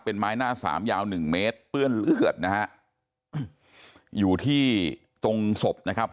เป็นไม้หน้าสามยาวหนึ่งเมตรเปื้อนเลือดนะฮะอยู่ที่ตรงศพนะครับ